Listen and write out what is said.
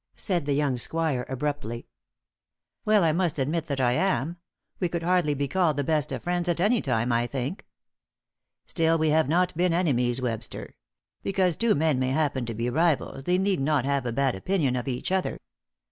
said the young squire abruptly. "Well, I must admit that I am. We could hardly be called the best of friends at any time, I think." "Still, we have not been enemies, Webster. Because two men may happen to be rivals they need not have a bad opinion of each other."